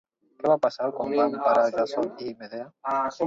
Què va passar quan van emparar Jàson i Medea?